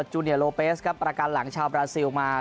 จูเนียโลเปสครับประกันหลังชาวบราซิลมา